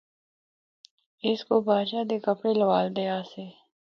اس کو بادشاہ دے کپڑے لوالے دے آسے۔